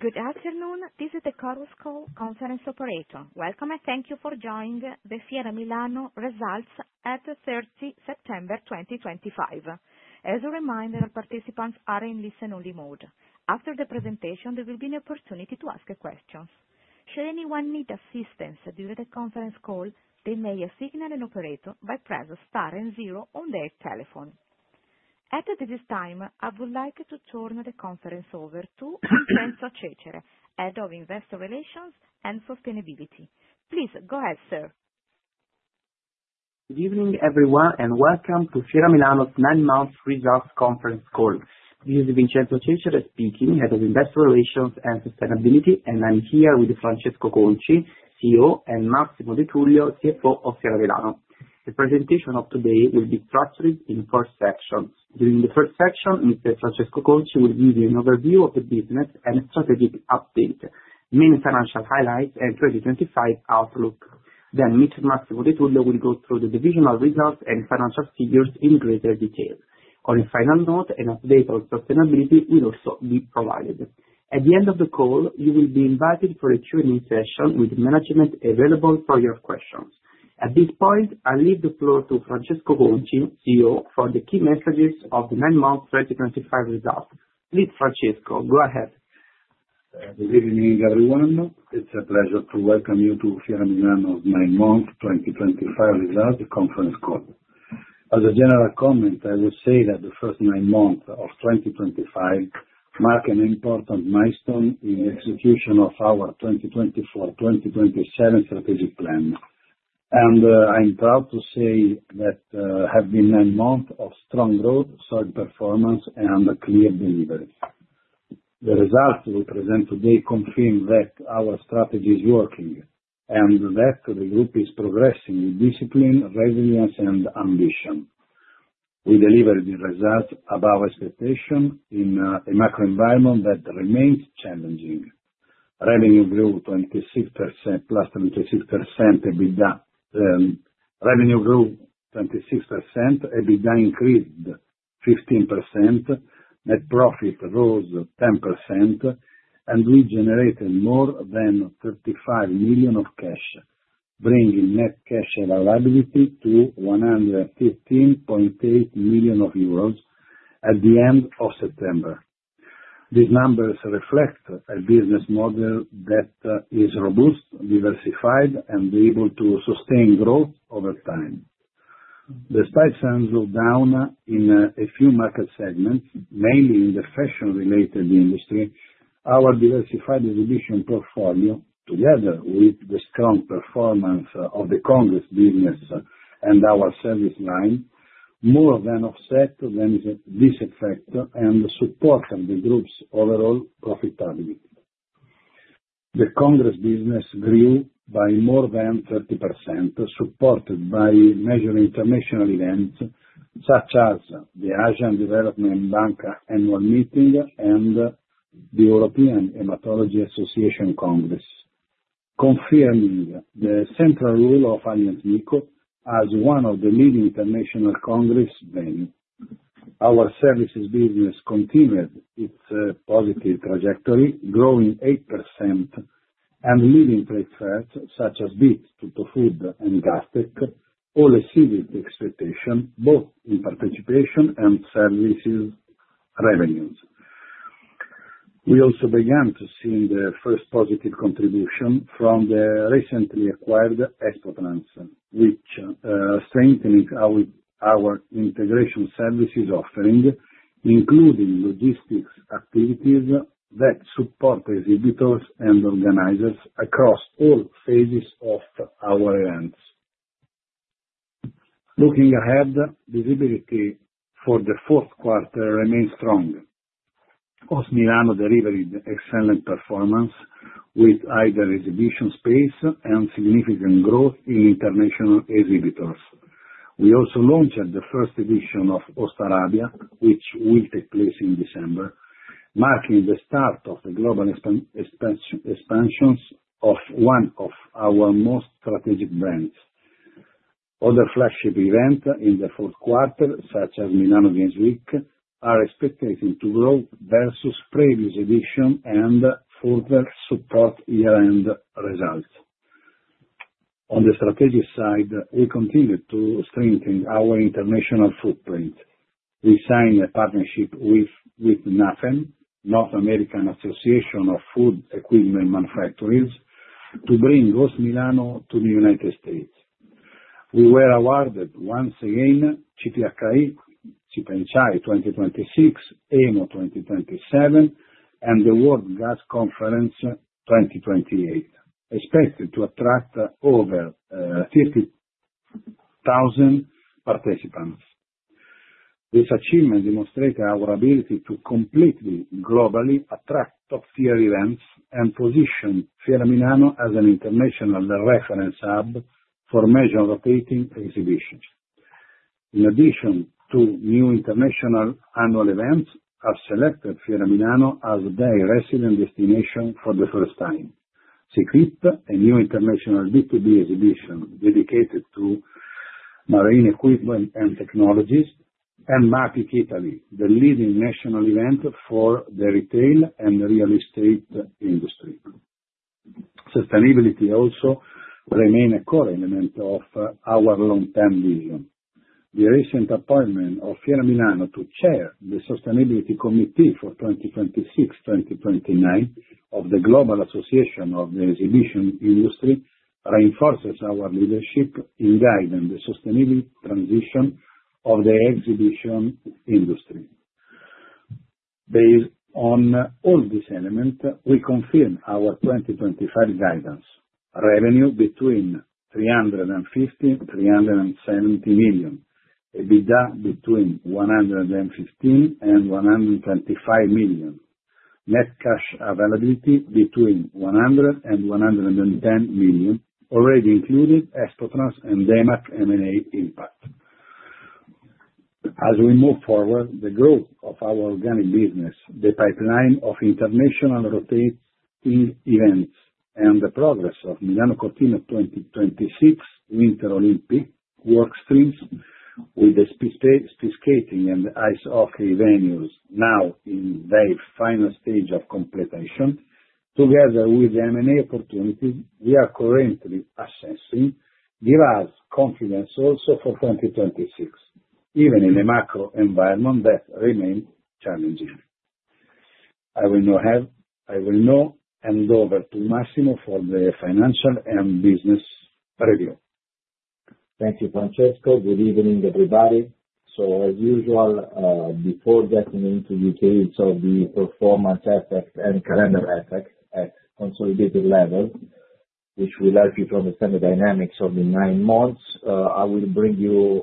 Good afternoon, this is the Chorus Call conference operator. Welcome and thank you for joining the Fiera Milano results at 30 September 2025. As a reminder, participants are in listen-only mode. After the presentation, there will be an opportunity to ask questions. Should anyone need assistance during the conference call, they may signal an operator by pressing star and zero on their telephone. At this time, I would like to turn the conference over to Vincenzo Cecere, Head of Investor Relations and Sustainability. Please go ahead, sir. Good evening, everyone, and welcome to Fiera Milano's Nine Month Results Conference Call. This is Vincenzo Cecere speaking, Head of Investor Relations and Sustainability, and I'm here with Francesco Conci, CEO, and Massimo De Tullio, CFO of Fiera Milano. The presentation of today will be structured in four sections. During the first section, Mr. Francesco Conci will give you an overview of the business and strategic update, main financial highlights, and 2025 outlook. Then, Mr. Massimo De Tullio will go through the divisional results and financial figures in greater detail. On a final note, an update on sustainability will also be provided. At the end of the call, you will be invited for a Q&A session with management available for your questions. At this point, I'll leave the floor to Francesco Conci, CEO, for the key messages of the Nine Month 2025 results. Please, Francesco, go ahead. Good evening, everyone. It's a pleasure to welcome you to Fiera Milano's Nine Month 2025 results conference call. As a general comment, I will say that the first nine months of 2025 mark an important milestone in the execution of our 2024-2027 strategic plan. I'm proud to say that it has been nine months of strong growth, solid performance, and clear delivery. The results we present today confirm that our strategy is working and that the group is progressing with discipline, resilience, and ambition. We delivered the results above expectation in a macro environment that remains challenging. Revenue grew 26%, plus 26% EBITDA. Revenue grew 26%, EBITDA increased 15%, net profit rose 10%, and we generated more than 35 million of cash, bringing net cash availability to 115.8 million euros at the end of September. These numbers reflect a business model that is robust, diversified, and able to sustain growth over time. Despite signs of down in a few market segments, mainly in the fashion-related industry, our diversified exhibition portfolio, together with the strong performance of the Congress business and our service line, more than offsets this effect and supports the group's overall profitability. The Congress business grew by more than 30%, supported by major international events such as the Asian Development Bank Annual Meeting and the European Hematology Association Congress, confirming the central role of Allianz MiCo as one of the leading international congress venues. Our services business continued its positive trajectory, growing 8%, and leading trade fairs such as BEEF, TuttoFood, and Gastech, exceeding expectations both in participation and services revenues. We also began to see the first positive contribution from the recently acquired ExpoTrans, which strengthened our integration services offering, including logistics activities that support exhibitors and organizers across all phases of our events. Looking ahead, visibility for the fourth quarter remains strong. HOST Milano delivered excellent performance with either exhibition space and significant growth in international exhibitors. We also launched the first edition of Host Arabia, which will take place in December, marking the start of the global expansions of one of our most strategic brands. Other flagship events in the fourth quarter, such as Milano Games Week, are expected to grow versus previous edition and further support year-end results. On the strategic side, we continue to strengthen our international footprint. We signed a partnership with NAFEM, North American Association of Food Equipment Manufacturers, to bring HOST Milano to the United States. We were awarded once again CPHI & ICSE 2026, EMO 2027, and the World Gas Conference 2028, expected to attract over 50,000 participants. This achievement demonstrated our ability to completely globally attract top-tier events and position Fiera Milano as an international reference hub for major rotating exhibitions. In addition to new international annual events, have selected Fiera Milano as their resident destination for the first time. SEAQUIP, a new international B2B exhibition dedicated to marine equipment and technologies, and MAPIC Italy, the leading national event for the retail and real estate industry. Sustainability also remains a core element of our long-term vision. The recent appointment of Fiera Milano to chair the Sustainability Committee for 2026-2029 of the Global Association of the Exhibition Industry reinforces our leadership in guiding the sustainable transition of the exhibition industry. Based on all these elements, we confirm our 2025 guidance: revenue between 350 million-370 million, EBITDA between 115 million-125 million, net cash availability between 100 million-110 million, already included ExpoTrans and DEMAC M&A impact. As we move forward, the growth of our organic business, the pipeline of international rotating events, and the progress of Milano Cortina 2026 Winter Olympic workstreams with the speed skating and the ice hockey venues now in their final stage of completation, together with the M&A opportunities we are currently assessing, give us confidence also for 2026, even in a macro environment that remains challenging. I will now hand over to Massimo for the financial and business review. Thank you, Francesco. Good evening, everybody. As usual, before getting into details of the performance effects and calendar effects at consolidated level, which will help you to understand the dynamics of the nine months, I will bring you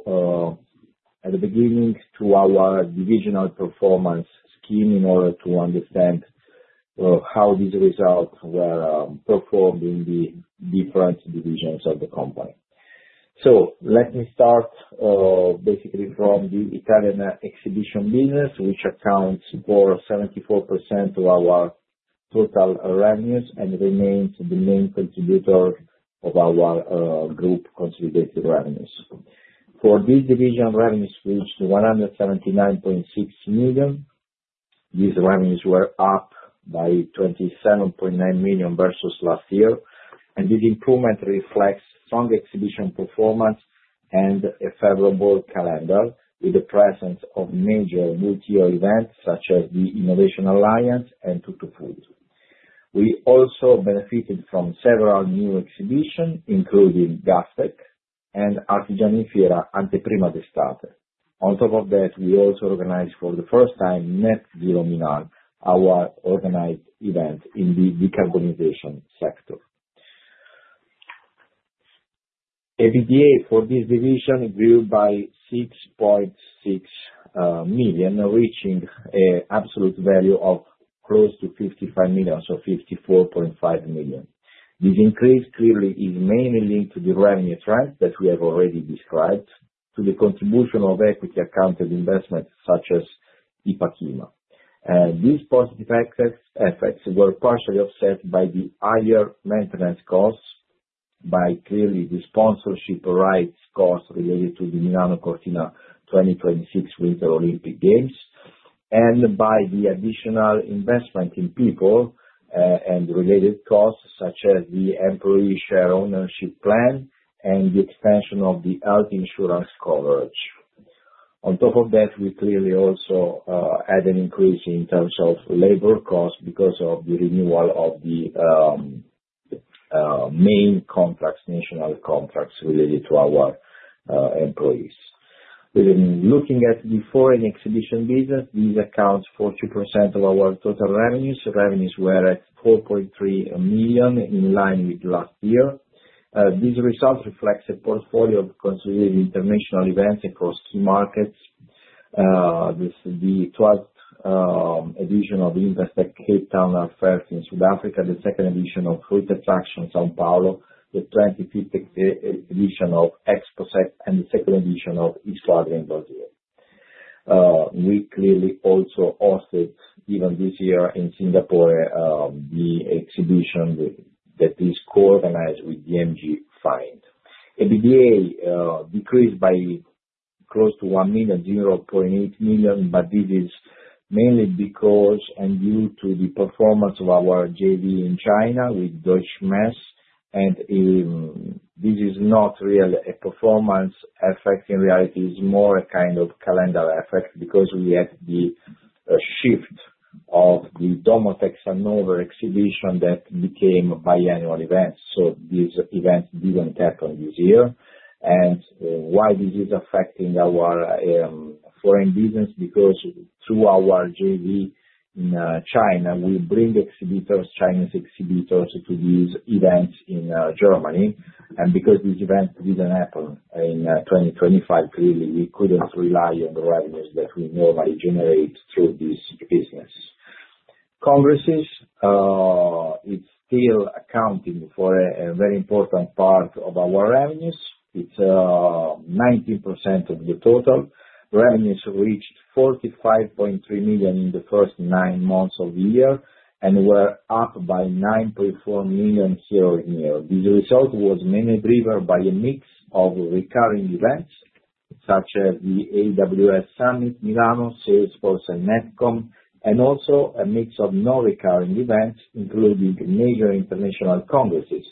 at the beginning to our divisional performance scheme in order to understand how these results were performed in the different divisions of the company. Let me start basically from the Italian exhibition business, which accounts for 74% of our total revenues and remains the main contributor of our group consolidated revenues. For this division, revenues reached 179.6 million. These revenues were up by 27.9 million versus last year, and this improvement reflects strong exhibition performance and a favorable calendar with the presence of major multi-year events such as the Innovation Alliance and TuttoFood. We also benefited from several new exhibitions, including Gastech and Artigiano in Fiera Anteprima d'estate. On top of that, we also organized for the first time Net Zero Milan, our organized event in the decarbonization sector. EBITDA for this division grew by 6.6 million, reaching an absolute value of close to 55 million, so 54.5 million. This increase clearly is mainly linked to the revenue trend that we have already described, to the contribution of equity-accounted investments such as IPACK-IMA. These positive effects were partially offset by the higher maintenance costs, by clearly the sponsorship rights costs related to the Milano Cortina 2026 Winter Olympic Games, and by the additional investment in people and related costs such as the employee share ownership plan and the extension of the health insurance coverage. On top of that, we clearly also had an increase in terms of labor costs because of the renewal of the main contracts, national contracts related to our employees. Looking at the foreign exhibition business, these account for 2% of our total revenues. Revenues were at 4.3 million, in line with last year. These results reflect a portfolio of consolidated international events across key markets. This is the 12th edition of the Intersec Cape Town Affairs in South Africa, the second edition of Fruit Attraction São Paulo, the 25th edition of Exposec, and the second edition of East Wagga in Brazil. We clearly also hosted, even this year in Singapore, the exhibition that is co-organized with DMG Events. EBITDA decreased by close to 1 million, 0.8 million, but this is mainly because and due to the performance of our JV in China with Deutsche Messe. This is not really a performance effect; in reality, it's more a kind of calendar effect because we had the shift of the Domotex Hannover exhibition that became biannual events. These events did not happen this year. Why is this affecting our foreign business? Because through our JV in China, we bring Chinese exhibitors to these events in Germany. Because these events did not happen in 2025, clearly we could not rely on the revenues that we normally generate through this business. Congresses are still accounting for a very important part of our revenues. It is 19% of the total. Revenues reached 45.3 million in the first nine months of the year and were up by 9.4 million year-on-year. This result was mainly driven by a mix of recurring events such as the AWS Summit Milano, Salesforce, and Netcom, and also a mix of non-recurring events, including major international congresses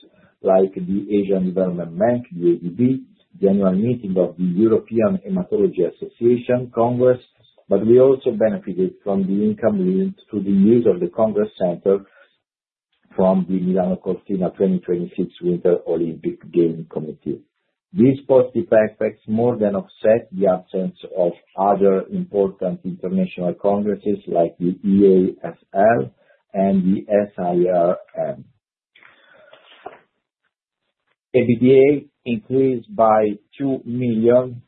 like the Asian Development Bank, the ADB, the annual meeting of the European Hematology Association Congress. We also benefited from the income linked to the use of the Congress Center from the Milano Cortina 2026 Winter Olympic Games Committee. These positive effects more than offset the absence of other important international congresses like the EASL and the SIRM. EBITDA increased by 2 million,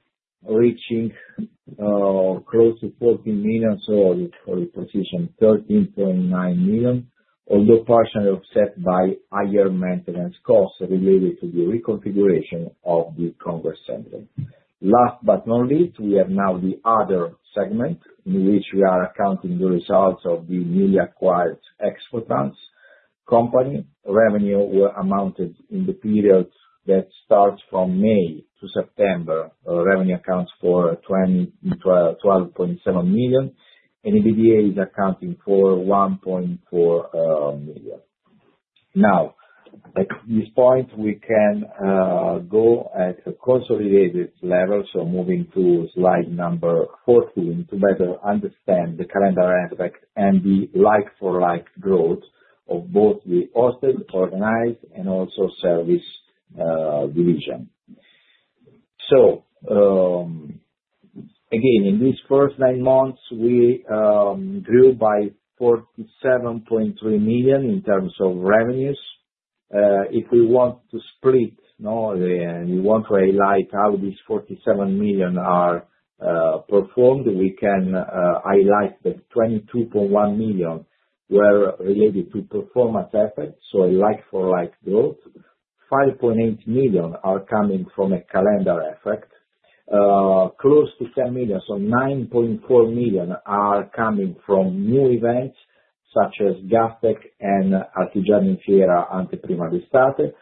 reaching close to 14 million, so for the position 13.9 million, although partially offset by higher maintenance costs related to the reconfiguration of the Congress Center. Last but not least, we have now the other segment in which we are accounting the results of the newly acquired ExpoTrans company. Revenues were amounted in the period that starts from May to September. Revenue accounts for 12.7 million, and EBITDA is accounting for 1.4 million. Now, at this point, we can go at a consolidated level, moving to slide number 14 to better understand the calendar effect and the like-for-like growth of both the hosted, organized, and also service division. Again, in these first nine months, we grew by 47.3 million in terms of revenues. If we want to split and we want to highlight how these 47 million are performed, we can highlight that 22.1 million were related to performance effects, so a like-for-like growth. 5.8 million are coming from a calendar effect. Close to 10 million, so 9.4 million, are coming from new events such as Gastech and Artigiano in Fiera Anteprima d'estate.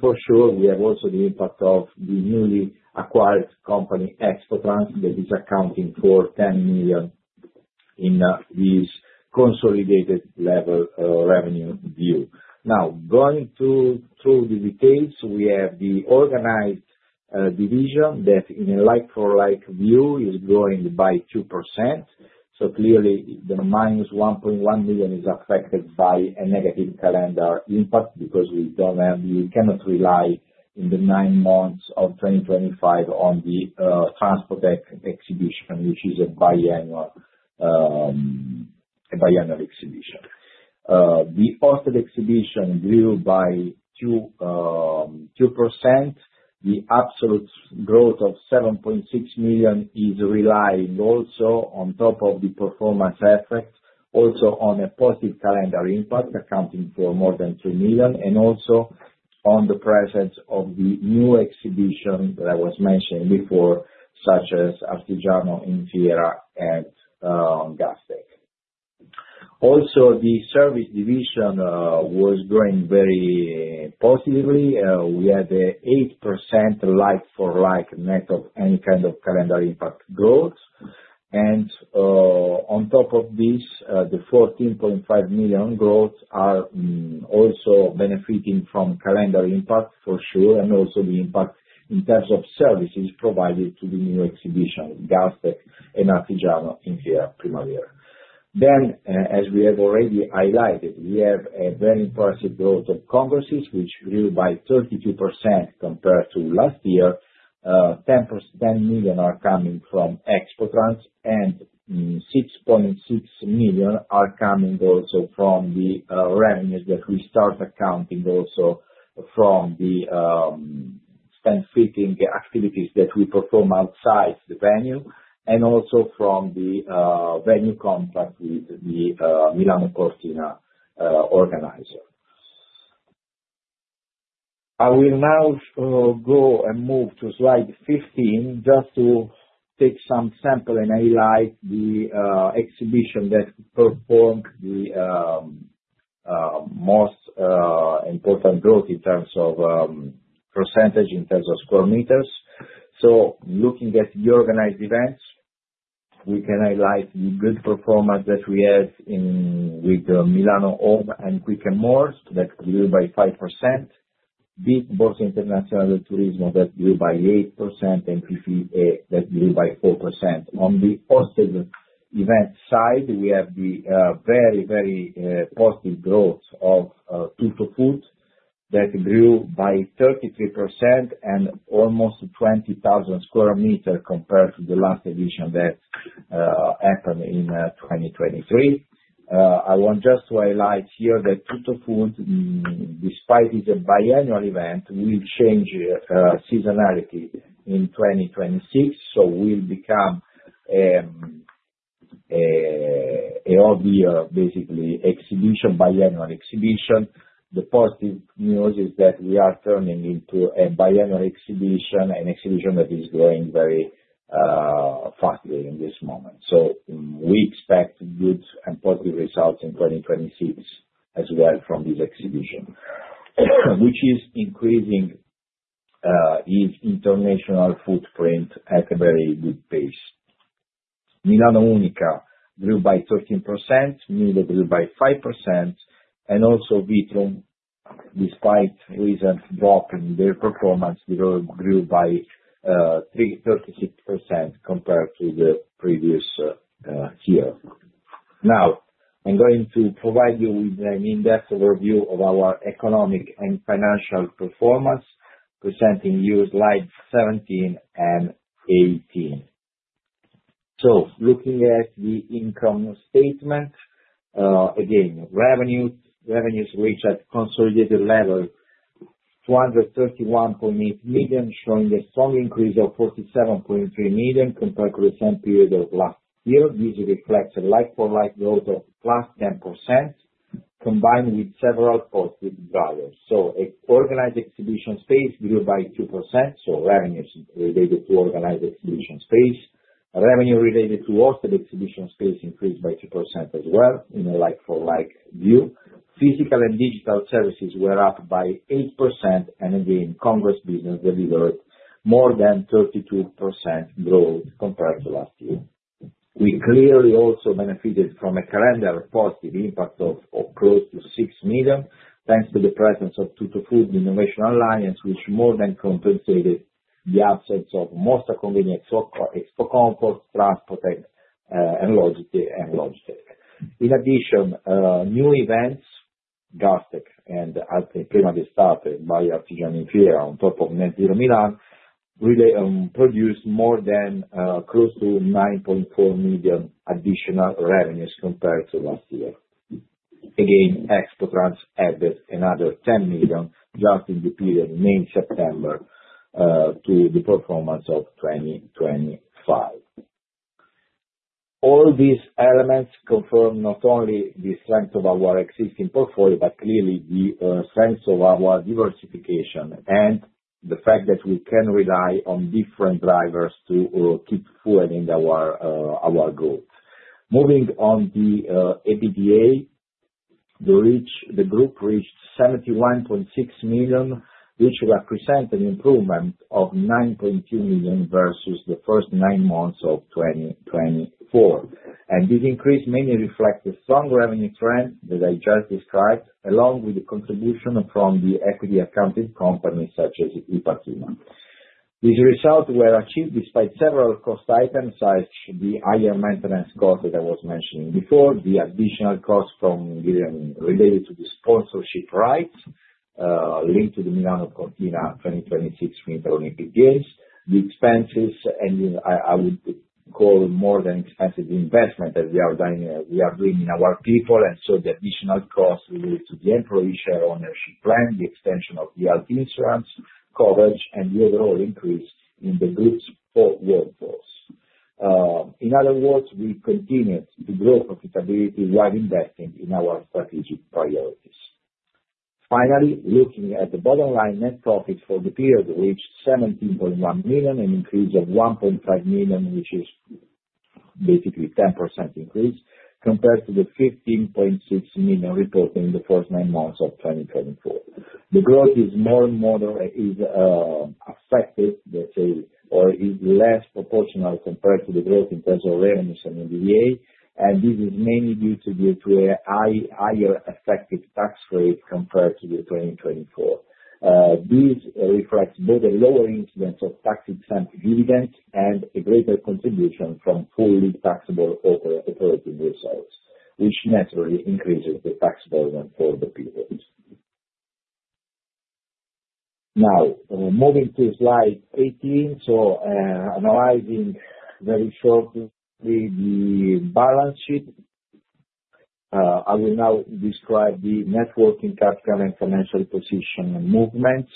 For sure, we have also the impact of the newly acquired company ExpoTrans, that is accounting for 10 million in this consolidated level revenue view. Now, going through the details, we have the organized division that in a like-for-like view is growing by 2%. Clearly, the minus 1.1 million is affected by a negative calendar impact because we cannot rely in the nine months of 2025 on the Transpotec exhibition, which is a biannual exhibition. The hosted exhibition grew by 2%. The absolute growth of 7.6 million is relied also on top of the performance effect, also on a positive calendar impact accounting for more than 3 million, and also on the presence of the new exhibition that I was mentioning before, such as Artigiano in Fiera and Gastech. Also, the service division was growing very positively. We had an 8% like-for-like net of any kind of calendar impact growth. On top of this, the 14.5 million growth are also benefiting from calendar impact, for sure, and also the impact in terms of services provided to the new exhibition, Gastech and Artigiano in Fiera Anteprima d'estate. As we have already highlighted, we have a very impressive growth of congresses, which grew by 32% compared to last year. 10 million are coming from ExpoTrans, and 6.6 million are coming also from the revenues that we start accounting also from the benefiting activities that we perform outside the venue, and also from the venue contract with the Milano Cortina organizer. I will now go and move to slide 15 just to take some sample and highlight the exhibition that performed the most important growth in terms of percentage, in terms of square meters. Looking at the organized events, we can highlight the good performance that we had with Milano Home and QUICK & MORE that grew by 5%, BIT-(Borsa Internazionale del Turismo) that grew by 8%, and PPE that grew by 4%. On the hosted event side, we have the very, very positive growth of TuttoFood that grew by 33% and almost 20,000 sq m compared to the last edition that happened in 2023. I want just to highlight here that TuttoFood, despite its biannual event, will change seasonality in 2026, so will become a, basically, exhibition, biannual exhibition. The positive news is that we are turning into a biannual exhibition, an exhibition that is growing very fast in this moment. We expect good and positive results in 2026 as well from this exhibition, which is increasing its international footprint at a very good pace. Milano Unica grew by 13%, Milo grew by 5%, and also Vitrum, despite recent drop in their performance, grew by 36% compared to the previous year. Now, I'm going to provide you with an in-depth overview of our economic and financial performance, presenting you slides 17 and 18. Looking at the income statement, again, revenues reached at consolidated level 231.8 million, showing a strong increase of 47.3 million compared to the same period of last year. This reflects a like-for-like growth of plus 10% combined with several positive drivers. Organized exhibition space grew by 2%, so revenues related to organized exhibition space. Revenue related to hosted exhibition space increased by 2% as well in a like-for-like view. Physical and digital services were up by 8%, and again, congress business delivered more than 32% growth compared to last year. We clearly also benefited from a calendar positive impact of close to 6 million, thanks to the presence of TuttoFood Innovation Alliance, which more than compensated the absence of Mostra Convegno Expocomfort for Transpotec and Logitech. In addition, new events, Gastech and Anteprima d'Estate by Artigiani Fiera on top of Net Zero Milan, produced more than close to 9.4 million additional revenues compared to last year. Again, ExpoTrans added another 10 million just in the period May-September to the performance of 2025. All these elements confirm not only the strength of our existing portfolio, but clearly the strength of our diversification and the fact that we can rely on different drivers to keep fuelling our growth. Moving on the EBITDA, the group reached 71.6 million, which represents an improvement of 9.2 million versus the first nine months of 2024. This increase mainly reflects the strong revenue trend that I just described, along with the contribution from the equity-accounted companies such as IPACK-IMA. These results were achieved despite several cost items such as the higher maintenance cost that I was mentioning before, the additional cost related to the sponsorship rights linked to the Milano Cortina 2026 Winter Olympic Games, the expenses, and I would call more than expenses the investment that we are doing in our people, and so the additional cost related to the employee share ownership plan, the extension of the health insurance coverage, and the overall increase in the group's workforce. In other words, we continued to grow profitability while investing in our strategic priorities. Finally, looking at the bottom line net profit for the period, we reached 17.1 million and an increase of 1.5 million, which is basically a 10% increase compared to the 15.6 million reported in the first nine months of 2024. The growth is more and more affected, let's say, or is less proportional compared to the growth in terms of revenues and EBITDA, and this is mainly due to a higher effective tax rate compared to 2024. This reflects both a lower incidence of tax-exempt dividends and a greater contribution from fully taxable operating results, which naturally increases the tax burden for the period. Now, moving to slide 18, analyzing very shortly the balance sheet, I will now describe the networking capital and financial position movements.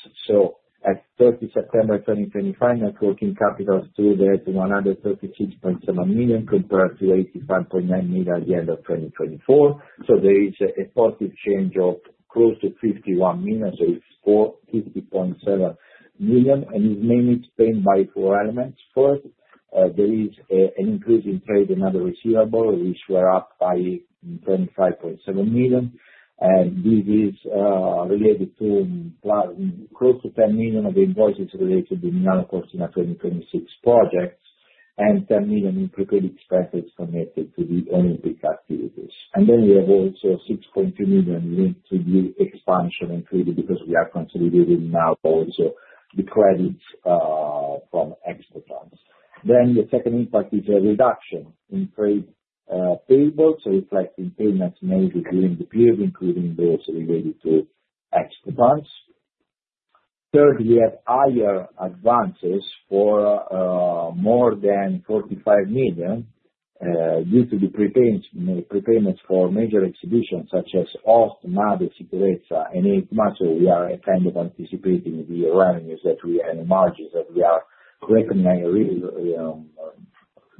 At 30 September 2025, networking capital still there to 136.7 million compared to 85.9 million at the end of 2024. There is a positive change of close to 51 million, so it's 50.7 million, and it's mainly spent by four elements. First, there is an increase in trade and other receivables, which were up by 25.7 million, and this is related to close to 10 million of invoices related to the Milano Cortina 2026 projects and 10 million in prepaid expenses connected to the Olympic activities. We also have 6.2 million linked to the expansion and trade because we are consolidating now also the credits from ExpoTrans. The second impact is a reduction in trade payables, reflecting payments made during the period, including those related to ExpoTrans. Third, we have higher advances for more than 45 million due to the prepayments for major exhibitions such as HOST, Made, Sicurezza, and EICMA, so we are kind of anticipating the revenues that we and the margins that we are recognizing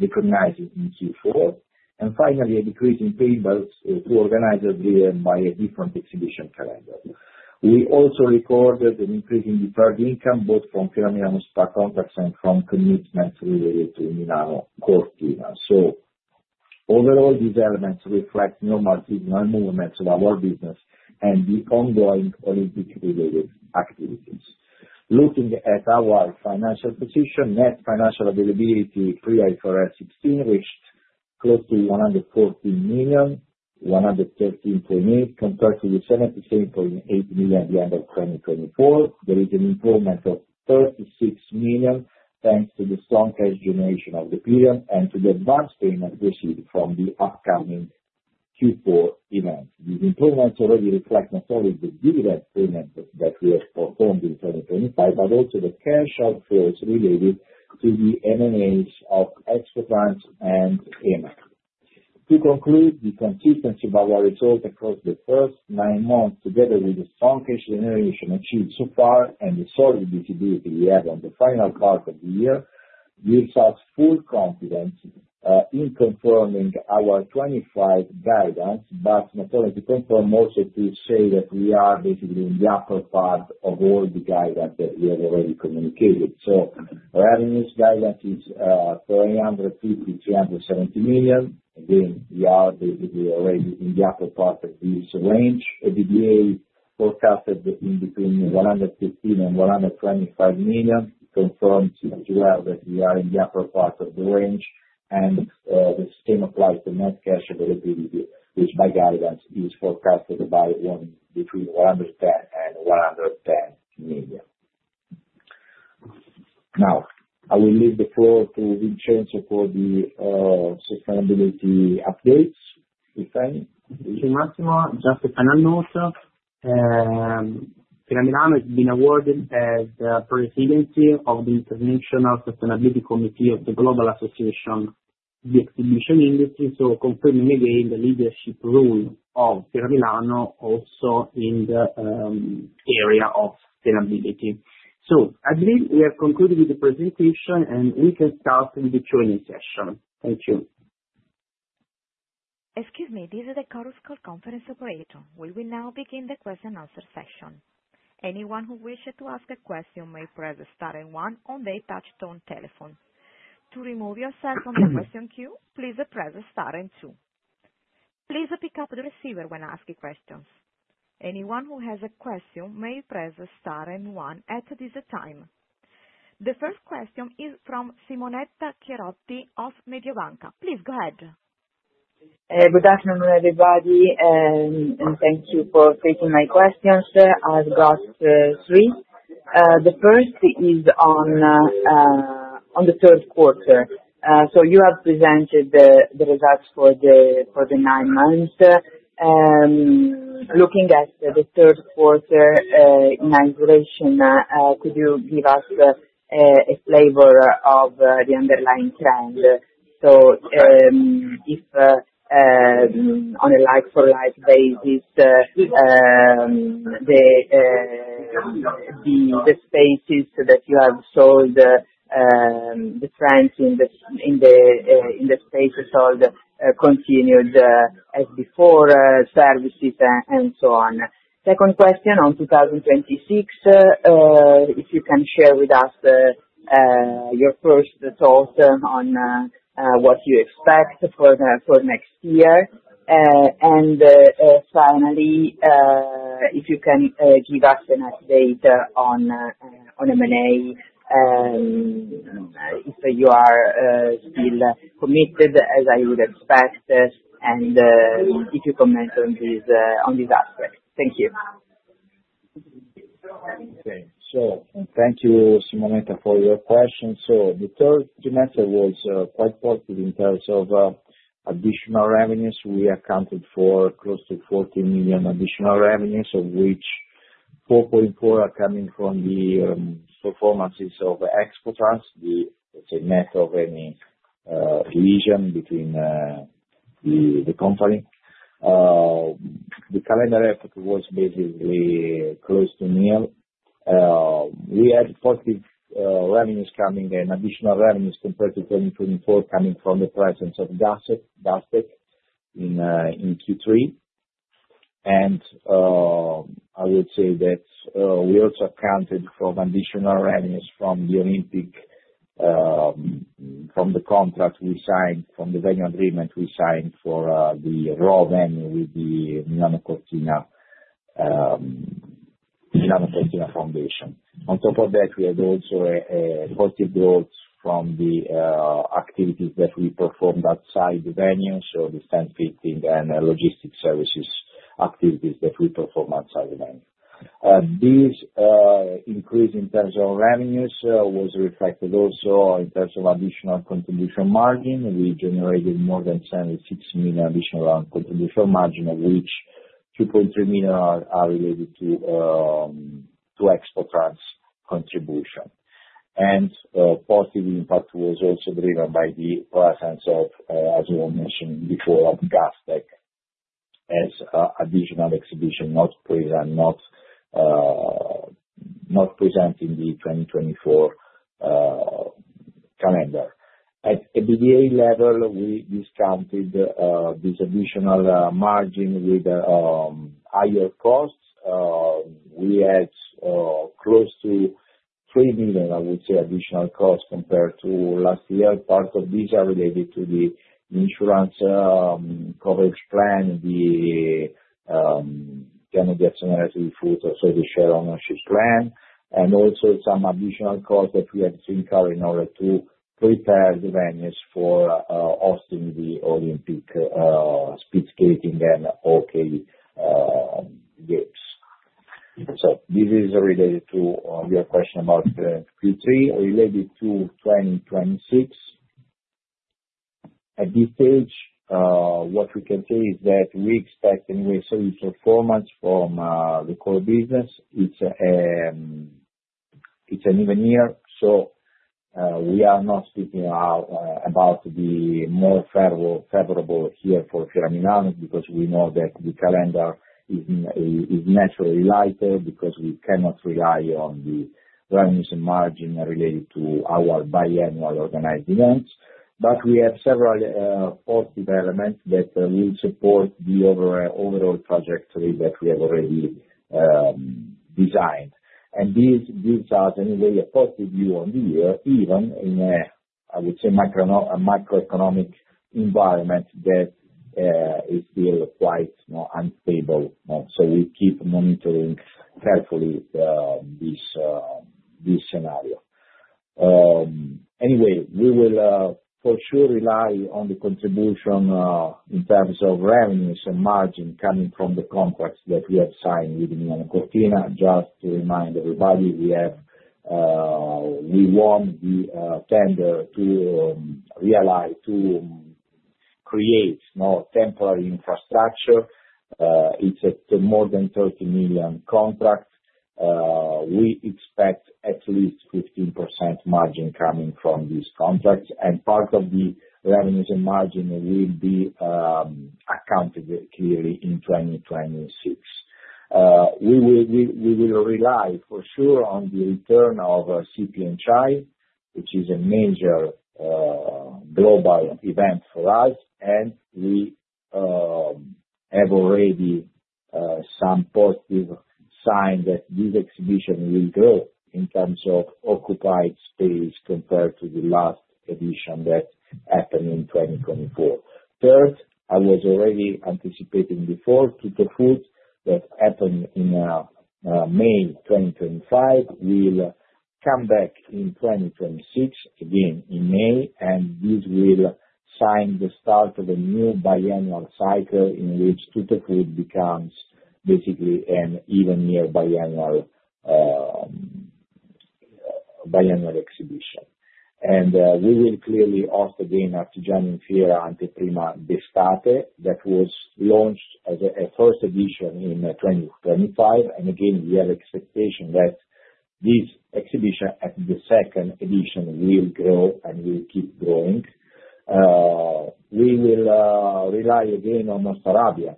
in Q4. Finally, a decrease in payables to organizers by a different exhibition calendar. We also recorded an increase in deferred income both from firm and spa contracts and from commitments related to Milano Cortina. Overall, these elements reflect normal seasonal movements of our business and the ongoing Olympic-related activities. Looking at our financial position, net financial availability pre-IFRS 16 reached close to 114 million, 113.8 million compared to the 77.8 million at the end of 2024. There is an improvement of 36 million thanks to the strong cash generation of the period and to the advance payments received from the upcoming Q4 event. These improvements already reflect not only the dividend payments that we have performed in 2025, but also the cash outflows related to the M&As of ExpoTrans and EMA. To conclude, the consistency of our results across the first nine months, together with the strong cash generation achieved so far and the solid visibility we have on the final part of the year, gives us full confidence in confirming our 2025 guidance, but not only to confirm, also to say that we are basically in the upper part of all the guidance that we have already communicated. Revenues guidance is 350 million-370 million. Again, we are basically already in the upper part of this range. EBITDA forecasted in between 115 million and 125 million confirms as well that we are in the upper part of the range, and the same applies to net cash availability, which by guidance is forecasted to be between 110 million and 110 million. Now, I will leave the floor to Vincenzo for the sustainability updates, if any. Thank you, Massimo. Just a final note, Fiera Milano has been awarded as the president of the International Sustainability Committee of the Global Association of the Exhibition Industry, confirming again the leadership role of Fiera Milano also in the area of sustainability. I believe we have concluded the presentation, and we can start the joining session. Thank you. Excuse me, this is the Chorus Call conference operator. We will now begin the question-and-answer session. Anyone who wishes to ask a question may press star and one on the touch-tone telephone. To remove yourself from the question queue, please press star and two. Please pick up the receiver when asking questions. Anyone who has a question may press star and one at this time. The first question is from Simonetta Chiriotti of Mediobanca. Please go ahead. Good afternoon, everybody, and thank you for taking my questions. I've got three. The first is on the third quarter. You have presented the results for the nine months. Looking at the third quarter in isolation, could you give us a flavor of the underlying trend? On a like-for-like basis, the spaces that you have sold, the trends in the spaces sold continued as before, services, and so on. Second question on 2026, if you can share with us your first thoughts on what you expect for next year. Finally, if you can give us an update on M&A, if you are still committed, as I would expect, and if you comment on this aspect. Thank you. Okay. Thank you, Simonetta, for your questions. The third trimester was quite positive in terms of additional revenues. We accounted for close to 40 million additional revenues, of which 4.4 million are coming from the performances of ExpoTrans, net of any division between the company. The calendar effort was basically close to nil. We had positive revenues coming and additional revenues compared to 2024 coming from the presence of Gastech in Q3. I would say that we also accounted for additional revenues from the Olympic, from the contract we signed, from the venue agreement we signed for the raw venue with the Milano Cortina Foundation. On top of that, we had also positive growth from the activities that we performed outside the venue, so the fan fitting and logistics services activities that we performed outside the venue. This increase in terms of revenues was reflected also in terms of additional contribution margin. We generated more than 76 million additional contribution margin, of which 2.3 million are related to ExpoTrans contribution. A positive impact was also driven by the presence of, as we were mentioning before, of Gastech as additional exhibition, not present in the 2024 calendar. At EBITDA level, we discounted this additional margin with higher costs. We had close to 3 million, I would say, additional costs compared to last year. Part of these are related to the insurance coverage plan, the Canada Accelerated Food, so the share ownership plan, and also some additional costs that we had to incur in order to prepare the venues for hosting the Olympic speed skating and hockey games. This is related to your question about Q3 related to 2026. At this stage, what we can say is that we expect a very solid performance from the core business. It's an even year, so we are not speaking about the more favorable year for Fiera Milano because we know that the calendar is naturally lighter because we cannot rely on the revenues and margin related to our biannual organized events. We have several positive elements that will support the overall trajectory that we have already designed. This gives us, anyway, a positive view on the year, even in a, I would say, macroeconomic environment that is still quite unstable. We keep monitoring carefully this scenario. Anyway, we will for sure rely on the contribution in terms of revenues and margin coming from the contracts that we have signed with Milano Cortina. Just to remind everybody, we won the tender to realize, to create temporary infrastructure. It is a more than 30 million contract. We expect at least 15% margin coming from these contracts, and part of the revenues and margin will be accounted clearly in 2026. We will rely for sure on the return of CPHI & ICSE, which is a major global event for us, and we have already some positive signs that this exhibition will grow in terms of occupied space compared to the last edition that happened in 2024. Third, I was already anticipating before TuttoFood that happened in May 2025 will come back in 2026, again in May, and this will sign the start of a new biannual cycle in which TuttoFood becomes basically an even near biannual exhibition. We will clearly host again Artigiano in Fiera Anteprima d'estate that was launched as a first edition in 2025. Again, we have expectation that this exhibition, the second edition, will grow and will keep growing. We will rely again on Host Arabia.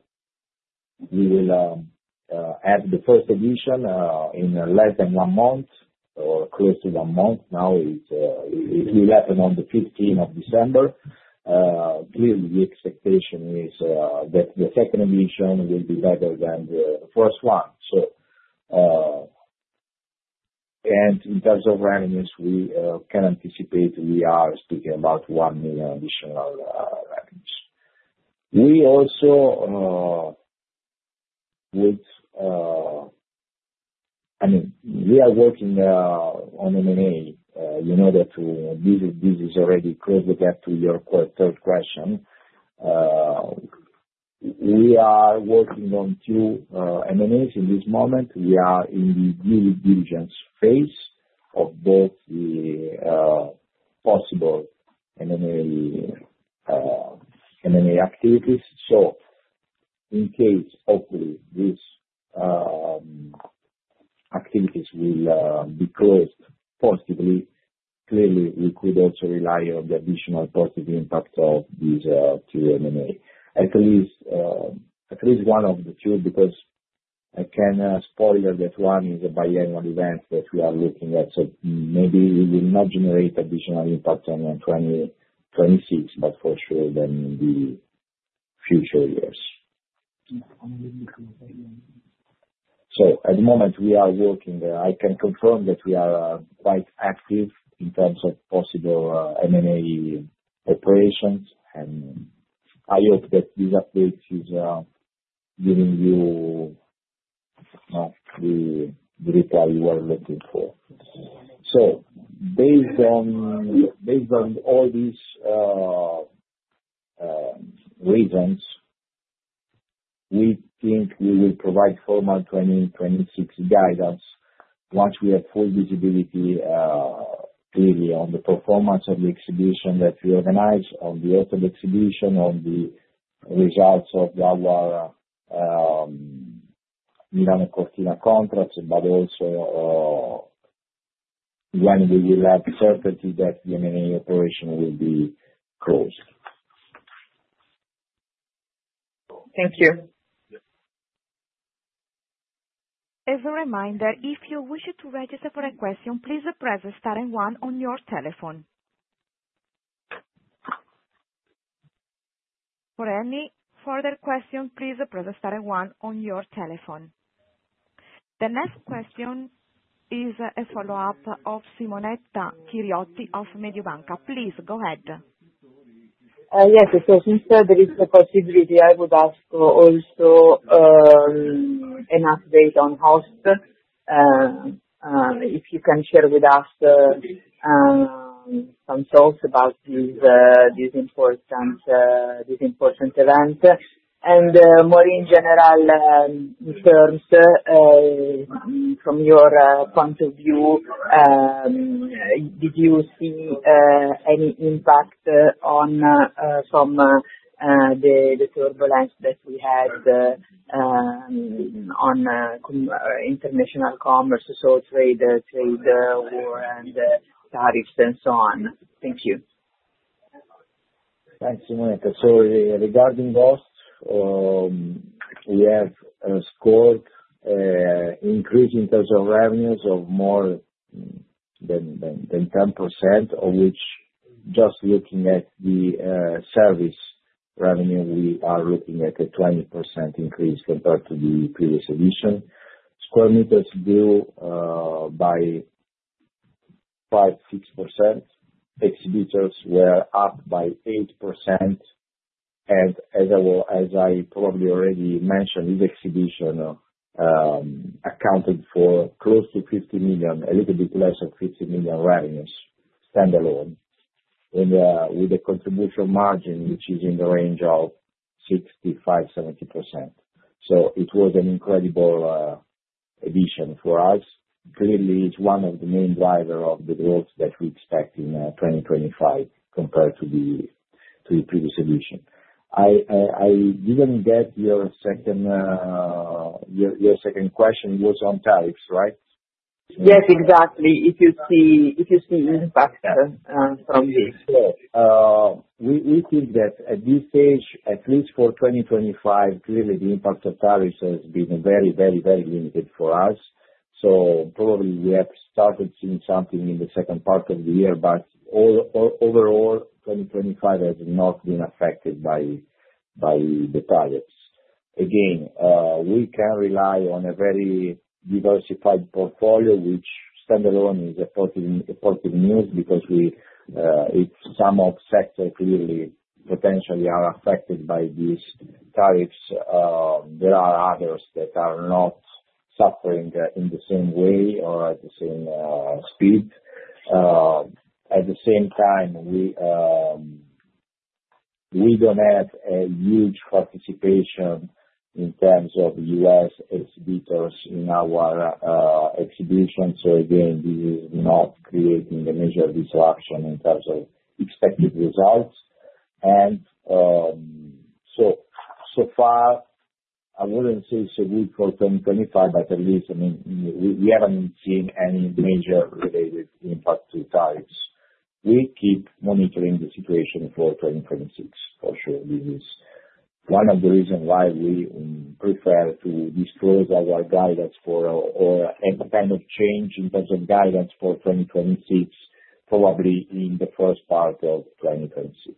We will have the first edition in less than one month or close to one month. Now, it will happen on the 15th of December. Clearly, the expectation is that the second edition will be better than the first one. In terms of revenues, we can anticipate we are speaking about 1 million additional revenues. We also would, I mean, we are working on M&A in order to, this is already closely back to your third question. We are working on two M&As in this moment. We are in the due diligence phase of both the possible M&A activities. In case, hopefully, these activities will be closed positively, clearly, we could also rely on the additional positive impact of these two M&A. At least one of the two because I can spoil that one is a biannual event that we are looking at. Maybe it will not generate additional impact on 2026, but for sure then in the future years. At the moment, we are working. I can confirm that we are quite active in terms of possible M&A operations, and I hope that this update is giving you the reply you were looking for. Based on all these reasons, we think we will provide formal 2026 guidance once we have full visibility clearly on the performance of the exhibition that we organize, on the author exhibition, on the results of our Milano Cortina contracts, but also when we will have certainty that the M&A operation will be closed. Thank you. As a reminder, if you wish to register for a question, please press star and one on your telephone. For any further questions, please press star and one on your telephone. The next question is a follow-up of Simonetta Chiriotti of Mediobanca. Please go ahead. Yes, since there is a possibility, I would ask also an update on host. If you can share with us some thoughts about this important event. In more general terms, from your point of view, did you see any impact on some of the turbulence that we had on international commerce, so trade, war, and tariffs, and so on? Thank you. Thanks, Simonetta. Regarding HostMilano, we have scored an increase in terms of revenues of more than 10%, of which just looking at the service revenue, we are looking at a 20% increase compared to the previous edition. Square meters grew by 5%-6%. Exhibitors were up by 8%. As I probably already mentioned, this exhibition accounted for close to 50 million, a little bit less than 50 million revenues standalone, with a contribution margin which is in the range of 65%-70%. It was an incredible edition for us. Clearly, it is one of the main drivers of the growth that we expect in 2025 compared to the previous edition. I didn't get your second question. It was on tariffs, right? Yes, exactly. If you see impact from this. We think that at this stage, at least for 2025, clearly the impact of tariffs has been very, very, very limited for us. Probably we have started seeing something in the second part of the year, but overall, 2025 has not been affected by the tariffs. Again, we can rely on a very diversified portfolio, which standalone is a positive news because some of sectors clearly potentially are affected by these tariffs. There are others that are not suffering in the same way or at the same speed. At the same time, we don't have a huge participation in terms of U.S. exhibitors in our exhibition. Again, this is not creating a major disruption in terms of expected results. So far, I wouldn't say it's good for 2025, but at least, I mean, we haven't seen any major related impact to tariffs. We keep monitoring the situation for 2026. For sure, this is one of the reasons why we prefer to disclose our guidance for or any kind of change in terms of guidance for 2026, probably in the first part of 2026.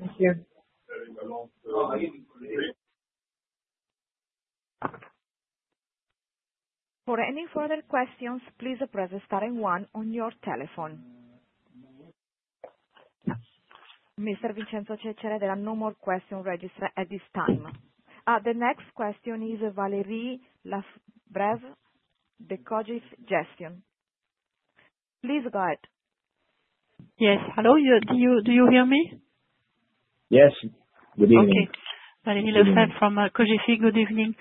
Thank you. For any further questions, please press star and one on your telephone. Mr. Vincenzo Cecere, there are no more questions registered at this time. The next question is Valérie Lafebvre, the Cogefi Gestion. Please go ahead. Yes. Hello. Do you hear me? Yes. Good evening. Okay. Valérie Lafebvre from Cogefi. Good evening.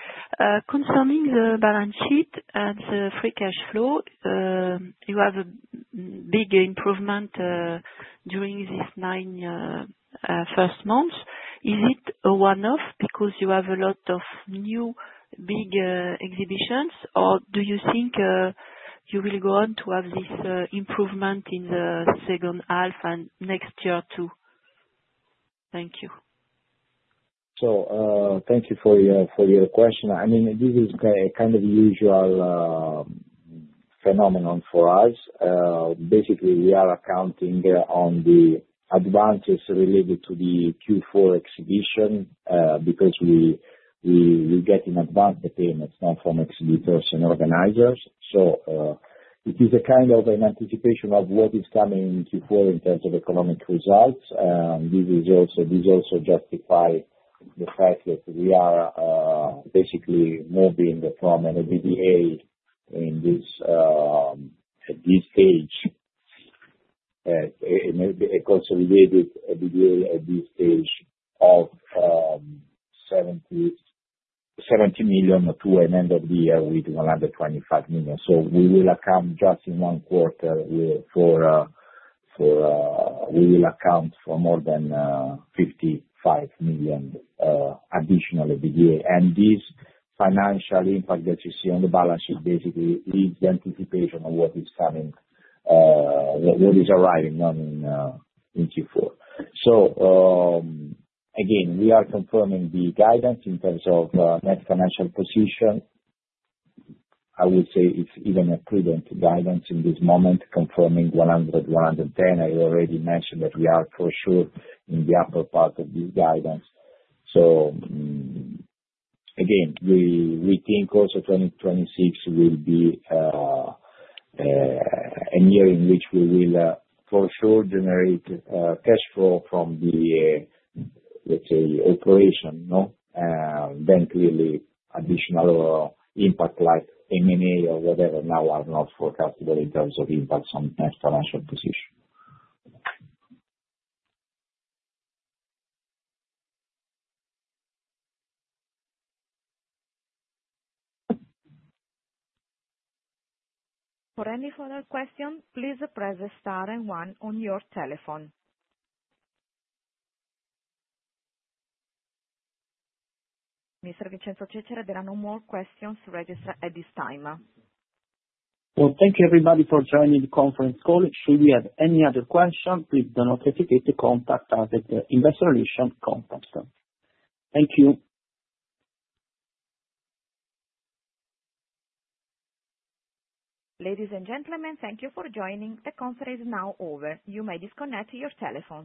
Concerning the balance sheet and the free cash flow, you have a big improvement during these nine first months. Is it a one-off because you have a lot of new big exhibitions, or do you think you will go on to have this improvement in the second half and next year too? Thank you. Thank you for your question. I mean, this is kind of a usual phenomenon for us. Basically, we are accounting on the advances related to the Q4 exhibition because we get in advance the payments from exhibitors and organizers. It is a kind of an anticipation of what is coming in Q4 in terms of economic results. This also justifies the fact that we are basically moving from an EBITDA in this stage, a consolidated EBITDA at this stage of 70 million to an end of the year with 125 million. We will account just in one quarter for we will account for more than 55 million additional EBITDA. This financial impact that you see on the balance sheet basically is the anticipation of what is coming, what is arriving in Q4. Again, we are confirming the guidance in terms of net financial position. I would say it's even a prudent guidance in this moment, confirming 100 million-110 million. I already mentioned that we are for sure in the upper part of the guidance. Again, we think also 2026 will be a year in which we will for sure generate cash flow from the, let's say, operation. Clearly, additional impact like M&A or whatever now are not forecastable in terms of impacts on net financial position. For any further questions, please press star and one on your telephone. Mr. Vincenzo Cecere, there are no more questions registered at this time. Thank you, everybody, for joining the conference call. Should you have any other questions, please do not hesitate to contact us at Investor Relations contact. Thank you. Ladies and gentlemen, thank you for joining. The conference is now over. You may disconnect your telephone.